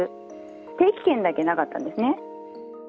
定期券だけなかったんですね。